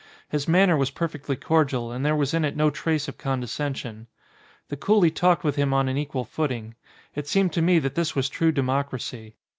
His manner was perfectly cordial and there was in it no trace of condescension. The coolie talked with him on an equal footing. It seemed to me that this was true democracy.